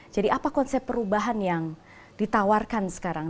jadi apa konsep perubahan yang ditawarkan sekarang